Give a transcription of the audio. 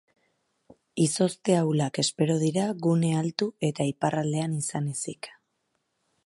Izozte ahulak espero dira gune altu eta iparraldean izan ezik.